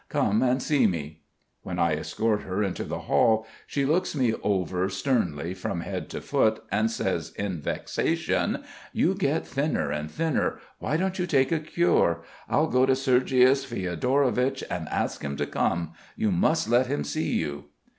Come and see me." When I escort her into the hall, she looks me over sternly from head to foot, and says in vexation: "You get thinner and thinner. Why don't you take a cure? I'll go to Sergius Fiodorovich and ask him to come. You must let him see you."